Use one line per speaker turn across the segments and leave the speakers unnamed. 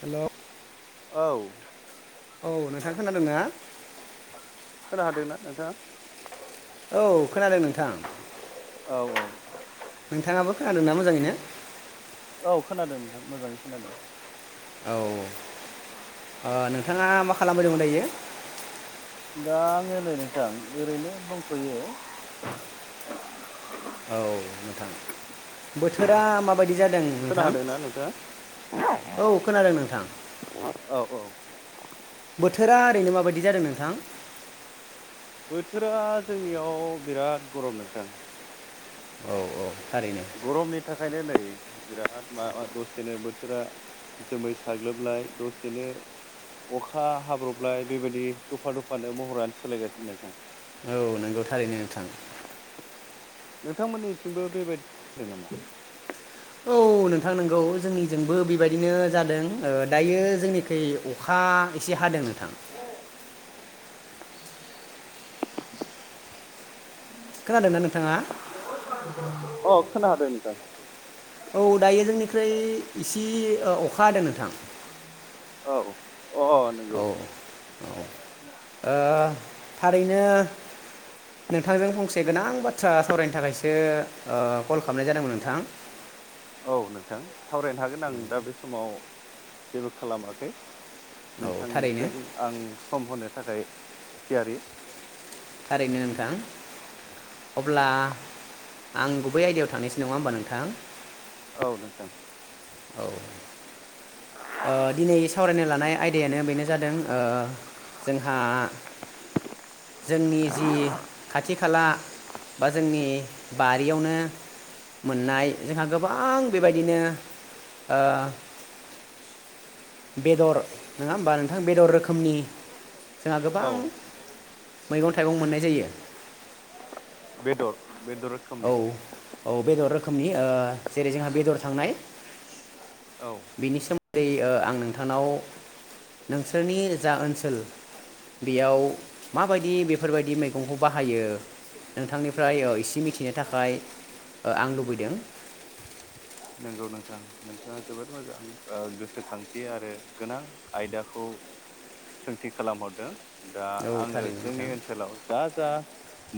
Hello.
औ।
खोनादोंना
खोनाहादोंना नोंथाङा?
औ खोनादों नोंथां।
औ
नोंथाङाबो खोनादों ना मोजाङैनो?
औ खोनादों नोंथां मोजाङै खोनादों।
औ औ, ओ नोंथाङा मा खालामबायदं दायो?
दा आङो नै नोंथां ओरैनो दंथयो।
औ नोंथां बोथोरा माबा बायदि जादों नोंथां?
खोनादोंना नोंथाङा
औ खोनादों नोंथां।
औ औ
बोथोरा ओरैनो माबायदि जादों नोंथां?
बोथोरा जोंनियाव बिराद गरम नोंथां।
औ औ था
गरमनि थाखायनो नै बिराद माबा दसेनो बोथोरा जोमै साग्लोबलाय दसेनो अखा हाब्रबलाय बेबायदि दफा दफानो महरानो सोलायगासिनो नोंथां।
औ नोंगौ थारैनो नोंथां।
नोंथांमोननिथिंबो बेबाय दि नामा?
औ नोंथां नोंगौ। जोंनिजोंबो बेबायदिनो जादों। ओ दायो जोंनिखै अखा एसे हादों नोंथां। खोनादोंना नोंथाङा?
अ खोनादों नोंथां।
औ दायो जोंनिख्रुय इसे ओ अखा हादों नोंथां।
औ। अ नोंगौ।
औ औ ओ थारैनो नोंथांजों फंसे गोनां बाथ्रा सावरायनो थाखायसो ओ कल लामनाय जादोंमोन नोंथां।
थां। सावरायनो हागोन आं दा बे समाव जेबो खालामाखै।
औ थारैनो
नोंथांजों आं सम होनो थाखाय थियारि।
थारैनो नोंथां। अब्ला आं गुबै आयदायाव थांनोसै नङा होमबा नोंथां?
औ नोंथां।
औ। ओ दिनै सावरायनो लानाय आयदायानो बेनो जादों ओ जोंहा जोंनि जि खाथि खाला बा जोंनि बारियावनो मोननाय जोंहा गोबां बेबायदिनो ओ बेदर नङा होमबा? नोंथां बेदर रोखोमनि जोंहा
औ
गोबां मैगं थाइगं मोननाय जायो।
बेदर बेदर
औ
रोखोमनि
औ बेदर रोखोमनि, ओ जेरै जोंहा बेदर थांनाय।
औ
बेनि सोमोन दै ओ आं नोंथांनाव नोंसोरनि जा ओन सोल बेयाव माबायदि बेफोरबायदि मैगंखौ बाहायो नोंथांनिफ्राय एसे मिथि नो थाखाय आं लुबैदों।
नंगौ नोंथां। नोंथाङा जोबोद मोजां ओ गोसोखांथि आरो गोनां आयदाखौ सोंथि खालामहरदों। दा
औ
आङो
थारैनो नोंथां
जोंनि ओनसोलाव जा जा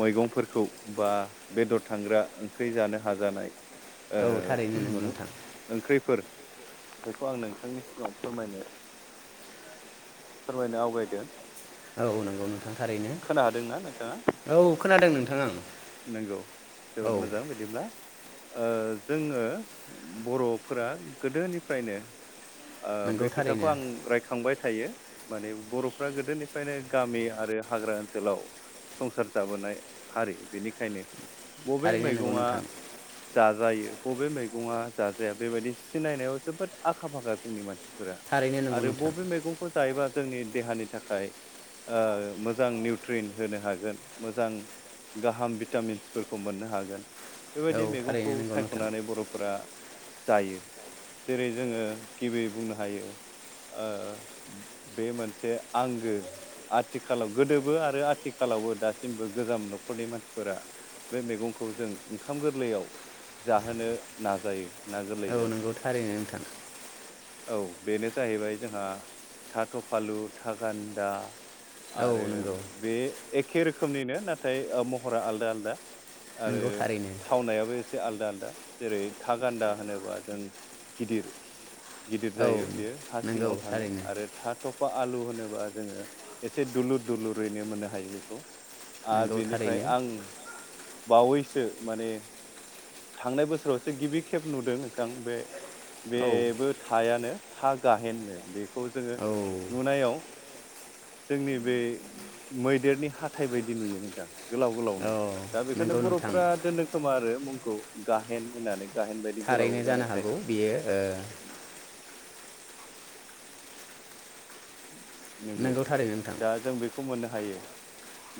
मैगंफोरखौ बा बेदर थांग्रा ओंख्रि जानो हाजानाय
औ
ओ
थारैनो नंगौ नोंथां
ओंख्रिफोर बेखौ आं नोंथांनि सिगाङाव फोरमायनो फोरमायनो आवगायदों।
औ नंगौ नों नों थारैनो
खोना हादोंना नोंथाङा
औ खोनादों नोंथां आं।
नंगौ
औ
जोबोद मोजां बिदिब्ला। ओ जोङो बर'फोरा गोदोनिफ्रायनो ओ बे
नंगौ
खोथाखौ
थारैनो
आं रायखांबाय थायो माने बर'फ्रा गोदोनिफ्रायनो गामि आरो हाग्रा ओनसोलाव संसार जाबोनाय हारि बिनि खायनो बबे
थारैनो नंगौ
मैगङा
नोंथां
जाजायो? बबे मैगङा जाजाया बेबायदि सिनायनायाव जोबोद आखा फाखा जोंनि मानसि फोर
थारैनो नंगौ
आरो
नोंथां
बबे मैगंखौ जायोबा जोंनि देहानि थाखाय ओ मोजां निउट्रिन होनो हागोन मोजां गाहाम भिटामिन्सफोरखौ मोननो हागोन।
औ
बेबायदि मैगंखौ
थारैनो नंगौ नोंथां
सायख'नानै बर'फोरा जायो जेरै जोङो गिबि बुंनो हायो ओ बे मोनसे आंगो आथिखालाव गोदोबो आरो आथिखालावबो दासिमबो गोजाम नखरनि मानसि फोर बे मैगंखौ जों ओंखाम गोरलैयाव जाहोनो नाजायो। ना गोरलैजों
औ नोंगौ थारैनो नोंथां।
औ बेनो जाहैबाय जोंहा थाथफालु थागान्दा।
औ
आरो
नंगौ
बे एख खे रोखोमनिनो नाथाय ओ म हरा आलदा आलदा आरो
नंगौ थारैनो
थावनायाबो एस आलदा आलदा जेरै था गान्दा होनोबा जों गिदिर गिदिर
औ
जायो बेयो हा
नंगौ
सिङाव थाङो
थारैनो
आरो था थफ बा आलु होनोबा जोङो एसे दुलुर दुलुरैनो मोननो हायो बेखौ आर
नंगौ
बेनि ओमफ्राय
थारैनो
आं बावैसो माने थांनाय बोसोरावसो गिबि खेब नुदों नोंथां बे
औ
बेबो थायानो था गाहेननो बे खौ जोङो
औ
नुनायाव जोंनि बे मैदेरनि हाथाइ बायदि नुयो नोंथां गोलाव
औ
गोलावनो दा बेखायनो
नंगौ नोंथां
बर'फ्रा दोनदों खोमा आरो मुं खौ‌ गाहेन होननानै गाहेन बायदि गोलाव
थारैनो जानो
जानायखाय
हागौ बियो ओ
नंगौ
थारैनो नोंथां
दा जों बेखौ मोननो हायो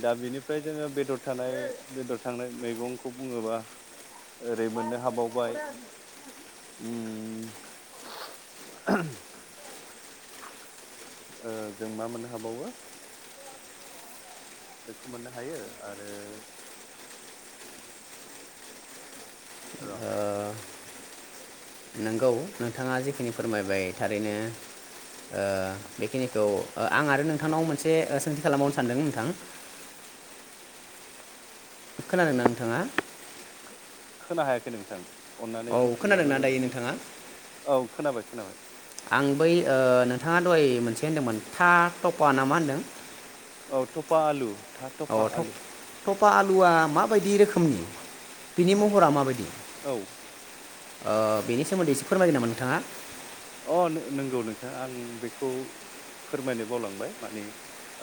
दा बिनिफ्राय जोङो बेदर थानाय बेदर थांनाय मैगंखौ बुङोबा ओरै मोननो हाबावबाय ओम ओह ओ जों मा मोननो हाबावो बेखौ मोननो हायो आरो र'
ओ नोंथाङा जिखिनि फोरमायबाय थारैनो ओ बेखिनिखौ आं आरो नोंथांनाव मोनसे सोंथि खालामबावनो सानदों नोंथां खोनादोंना नोंथाङा?
खोना हायाखै नोंथां
औ
अननानै बुंफिनबा
खोनादोंना
मोजां
दायो
जागौ।
नोंथाङा
औ खोनाबाय। खोनाबाय
आं बै ओ नोंथाङा दहाय मोनसे होनदोंमोन था टपा ना मा होनदों
औ थ'फा आलु था
अ
थफा
थप
आलु
थफा आलुआ माबायदि रोखोमनि बिनि महरा माबायदि
औ
ओ बेनि सोमोन्दै एसे फोरमायगोन नामा नोंथाङा
अ नंगौ नोंथा आं बेखौ फोरमायनो बावलांबाय माने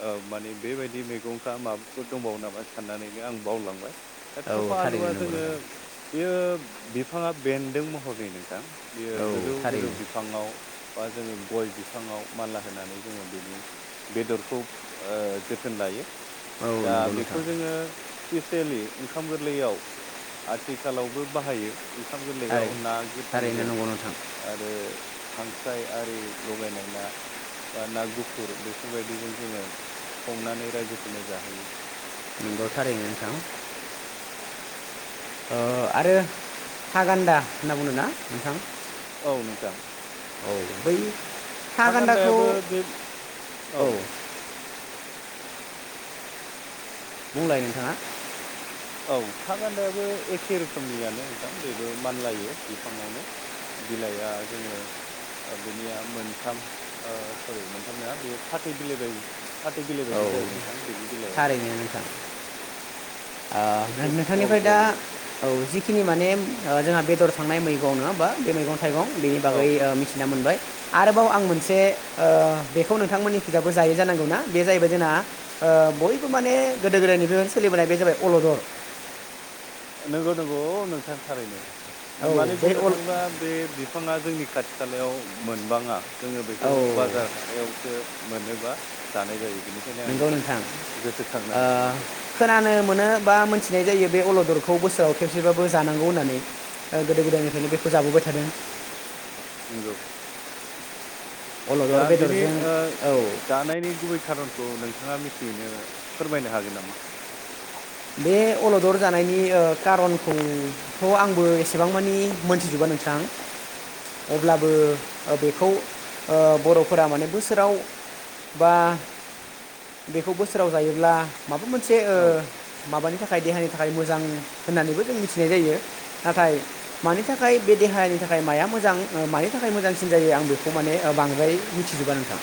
ओ माने बेबायदि मैगंआ माबाफोर दंबावो नामा साननानैनो आं बावलांबाय दा
औ
थफा
थारैनो
आलुआ
नंगौ
जोङो
नोंथां
बेयो बिफाङा बेन्दों महरनि नोंथां
औ थारैनो
याव बा जोङो गय बिफाङाव मानला होनानै जोङो बेनि बेदरखौ ओ जोथोन लायो
औ
दा
नंगौ नोंथां
बेखौ जोङो सिफिस सेलि ओंखाम गोरलैयाव आथिखालावबो बाहायो ओंखाम
थारै
गोरलैयाव ना
थारैनो
गोथांजों
नंगौ नोंथां
आरो खांख्राइ आरि लगायनाय ना बा ना गुफुर बेफोरबायदिजों जोङो संनानै रायजोफोरनो जाहोयो
नगौ थारैनो नोंथां ओ आरो था गान्दा होनना बुदों ना नोंथां
औ नोंथां
औ बै
था गान्दायाबो बे औ
बुंलाय नोंथाङा
औ था गान्दायाबो एखे रोखोमनियानो नोंथां बेबो मानलायो बिफाङावनो बिलाइआ जोङो बेनिया मोनथाम सरि मोनथाम नङा बे फाथै बिलाइ बाय फाथै बिलाइ
औ
बायदि जायो नोंथां बेनि बिलाइआ
थारैनो नोंथां ओ
एसे गल
नोंथांनिफ्राय दा
गलनो
औ जिखिनि माने जोंहा बे फोर थांनाय मैगं नंङा होनब्ला बे मैगं थाइगं बेनि
औ
बागै मिथिना मोनबाय आरोबाव आं मोनसे ओ बेखौनो नोंथांमोननि खोजायबो जायो जानांगौ ना? बे जाहैबाय जोंना ओ बयबो माने गोदो गोदायनिफ्राय सोलिबोनाय बे जाबाय अलदर
नोंगौ नंगौ अ नोंथां थारैनो
औ
माने
बे
बुंनो
अल
थाङोब्ला बे बिफाङा जोंनि खाथि खालायाव मोनबाङा जोङो बेखौ
औ
बाजार हाथायावसो मोनोबा जानाय जायो बेनिखायनो आं
नंगौ नोंथां
गोसोखांनो
ओ
हायाखै नोंगौ
खोनानो मोनो बा मोनथिनाय जायो बे अलदर खौ बोसोराव खेबसेबाबो जानांगौ होननानै गोदो गोदायनिफ्रायनो बेखौ जाबोबाय थादों
नोंगौ दा
अलदर
बिनि
बेदरजों
ओ
औ
जानायनि गुबै खारनखौ नोंथाङा मिथिनो फोरमायनो हागोन नामा?
बे अलदर जानायनि ओ खारनखौथ आंबो एसेबां मानि मोनथिजोबा नोंथां अब्लाबो बेखौ ओ बरफोरा माने बोसोराव बा बेखौ बोसोराव जायोब्ला माबा मोनसे ओ
औ
माबानि थाखाय देहानि थाखाय मोजां होननानैबो जों मिथिनाय जायो नाथाय मानि थाखाय बे देहानि थाखाय माया मोजां मानि थाखाय मोजांसिन जायो आं बेखौ माने बांद्राय मिथिजोबा नोंथां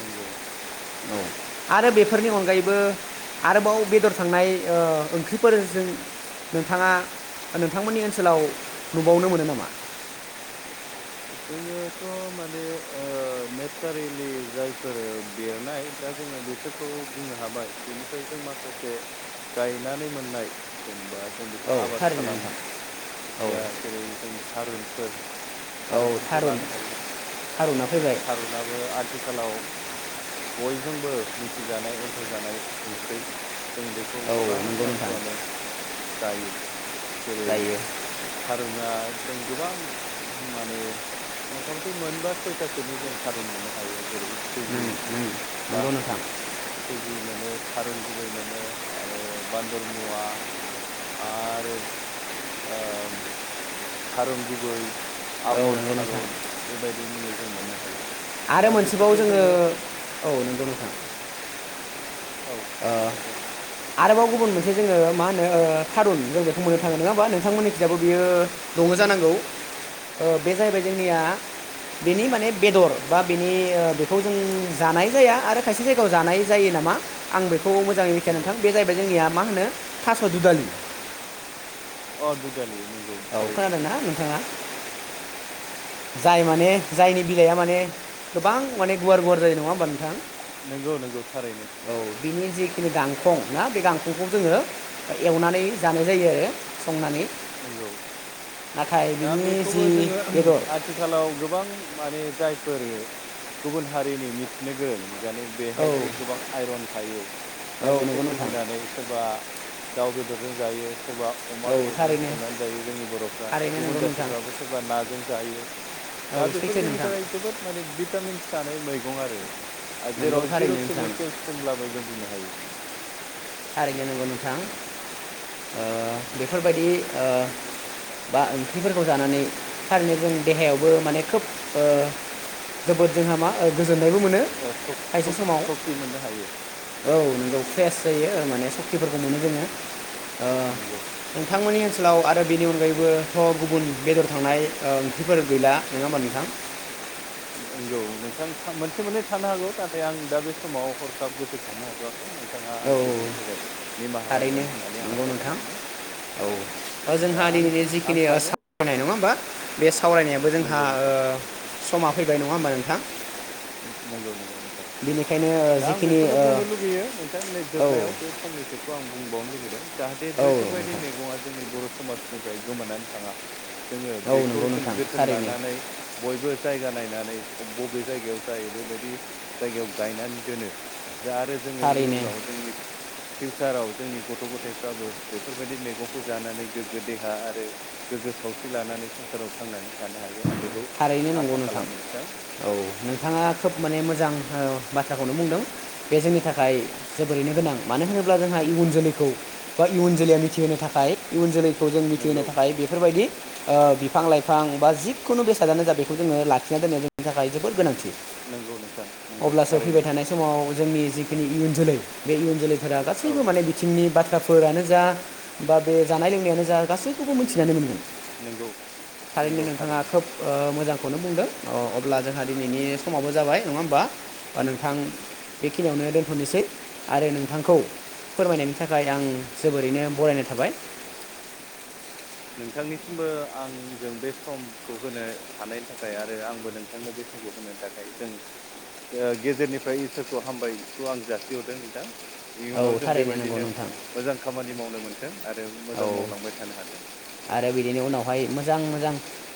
नंगौ
औ आरो बेफोरनि अनगायैबो आरोबाव बेदर थांनाय ओ ओंख्रिफोरजों नोंथाङा नोंथांमोननि ओनसोलाव नुबावनो मोनो नामा?
जोङोथ माने ओ नेचारेलि जायफोर बेरनाय दा जोङो बिसोरखौ बुंनो हाबाय बेनिफ्राय जों माखासे गायनानै मोननाय जेनेबा जों बेखौ
औ
आबाद
थारैनो
खालामो
नोंथां औ
जा जेरै जों थारुन फोर
औ
थारुनफोरखौ
थारुन
लानो हायो
थारुना फैबाय
थारुनाबो आथिखालाव बयजोंबो मिथिजानाय अनसायजानाय ओंख्रै जों बेखौ
औ
गोबां
नंगौ नोंथां
मानसियानो जायो। जेरै
जायो
थारुना जों गोबां माने मथा मथि मोनबा सयथासोनि जों थारुन मोननो हायो। जेरै सुजि
नंगौ
बास
नोंथां
सुजि मोनो। थारुन गुबै मोनो आरो बान्दर मुवा आरो ओ थारुन गुबै
औ
आबर
नंगौ नोंथां
थारुन बेबायदि मुङै जों मोननो हायो।
आरो
दा
मोनसेबाव
बेसोरखौ
जोङो औ नोंगौ नोंथां
औ
ओ
नोंथां बुं
आरोबाव गुबुन मोनसे जोङो मा होनो ओ थारुन जों बेखौ मोननो थाङो नोङा होमबा नोंथांमोननि थिंजाबो बियो दङ जानांगौ ओ बे जाहैबाय जोंनिया बेनि माने बेदर बा बिनि ओ बेखौ जों जानाय जाया आरो खायसे जायगायाव जानाय जायो नामा? आं बेखौ मोजाङै मिथिाय
नंगौ
नोंथां बे जाहैबाय जोंनिया मा होनो थास' दुदालि
अ दुदालि नंगौ
औ
थारैनो
खोनादों ना नोंथाङा? जाय माने जायनि बिलाइआ माने गोबां माने गुवार गुवार जायो नङा होमबा नोंथां
नंगौ नंगौ थारैनो
औ बिनि जिखिनि गांखं ना बे गांखंखौ जोङो एवनानै जानाय जायो आरो संनानै
नंगौ
नाथाय बिनि जि बेदर
थिखालाव गोबां माने जायफोर गुबुन हारिनि मिथिनो गोरों दानि
औ
बेहायदि गोबां आइरन थायो।
औ
दा बेखौ
नंगौ नोंथां
बुजिनानै सोरबा दाउ बेदरजों जायो सोरबा अमा
औ
बेदरजों
थारैनो
संनानै जायो जोंनि बर'फ्रा
थारैनो
गुबुन
नंगौ नोंथां
जाथिफ्राबो सोरबा नाजों जायो
औ
दा बेफोर
सैथो
जोंनि
नोंथां
थाखाय जोबोद माने भिटामिन्स थानाय मैगं आरो ओ
नंगौ
जेराव जिर'
थारैनो नोंथां
केमिकेल्स होनब्लाबो जों बुंनो हायो।
थारैनो नंगौ नोंथां ओ बेफोरबायदि ओ बा ओंख्रिफोरखौ जानानै थारैनो जों देहायावबो माने खोब ओ जोबोद जोंहा मा ओ गो गोजोननायबो मोनो खायसे समाव,
सक्ति मोननो हायो
औ नोंगौ फ्रेस जायो माने सक्तिफोरखौ मोनो जोङो। ओ
नंगौ
नोंथांमोननि ओनस लाव आरो बेनि अनगायैबोथ' गुबुन बेदर थांनाय ओ ओंख्रिफोर गैला नोङा होमबा नोंथां
नोंगौ नोंथां था मोनसे मोननै थानो हागौ नाथाय आं दा बे समाव हरखाब गोसोखांनो हाथ'वाखै। नोंथाङा
औ
आंखौ बेनि थाखाय निमाहा
थारैनो
होगोन होननानै आं
नंगौ
आसा
नोंथां।
खालामो
औ
दा
जोंहा
आं
दिनैनि
आं
जिखिनि
सानो
सावरायनाय नङा होमबा? बे सावरायनायाबो जोंहा
नंगौ
ओ समा फैबाय नङा होमबा नो
नोंगौ नोंगौ नोंथां।
बेनिखायनो ओ
दा आं
जिखिनि
बेखौनो बुंनो
ओ
लुगैयो नोंथां नै जोबनायाव बे
औ
फंनैसोखौ आं बुंबाव नो लुगैदों जाहाथे
औ
बैफोरबायदि
नोंथां
मैगङा जोंनि बर' समाजनिफ्राय गोमानानै थाङा। जोङो
औ
बेखौ
नंगौ
जों
नोंथां
जोथोन
थारैनो
लानानै बयबो जायगा नायना। अ बबे जायगायाव जायो बेबायदि जायगायाव गायनानै दोनो। जा आरो जोङो
थारैनो
इयुनाव जोंनि फिउचाराव जोंनि गथ गथायफ्राबो बेफोरबायदि मैगंखौ जानानै गोग्गो देहा आरो गोग्गो सावस्रि लानानै संसाराव थांनानै थानो हायो। दे आं बेखौ
थारैनो नंगौ
आसा खालामो नोंथां।
औ नोंथाङा खोब माने मोजां औ बाथ्राखौनो बुंदों, बे जोंनि थाखाय जोबोरैनो गोनां मानो होनोब्ला? अब्ला जोंहा इयुन जोलैखौ बा इयुन जोलैया मिथिहोनो थाखाय इयुन जोलैखौ जों मिथिहोनो
नंगौ
थाखाय बेफोरबायदि ओ बिफां लाइफां बा जिखुनु बेस खियानो जा बेखौ जोङो लाखिना दोननो जोंनि थाखाय जोबोद गोनां।
नंगौ नोंथां नंगौ
अब्लासो फैबाय
थारैनो
थानाय समाव जोंनि जि जोंनि इयुन जोलै बे इयुन जोलै फोरा
औ
गासैबो माने बिथिंनि बाथ बाथ्राफोरानो जा, बा बे जानाय लोंनायानो जा गासैखौबो थबो मिथिनानै मोनगोन
नंगौ
थारैनो नोंथाङा खोब ओ मोजांखौनो बुंदों, अब्ला जोंहा दिनैनि समाबो जाबाय नङा होमबा? नोंथां बेखिनियावनो दोनथनोसै आरो नोंथांखौ फोरमायनायनि थाखाय आं जोबोरैनो बरायनाय थाबाय।
नोंथांनिसिमबो आंजों बे समखौ होनो हानायनि थाखाय आरो आंबो नोंथांनो बे समखौ होनायनि थाखाय जों गेजेरनिफ्राय इसोरखौ हामबायखौ आं जासिहरदों नोंथां।
औ
इयुनाव जों
थारैनो नंगौ
बेबायदिनो
नोंथां
मोजां खामानि मावनो मोनथों आरो
औ
मोजां मावलांबाय थानो हाथों।
आरो बिदिनो उनावहाय मोजां मोजां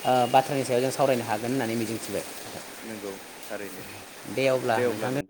ओ बाथ्रानि सायाव जों सावरायनो हागोन होननानै मिजिंथिबाय।
नोंगौ, थारैनो दे अब्ला नों।